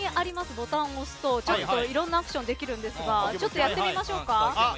ボタンを押すといろんなアクションができるんですがやってみましょうか。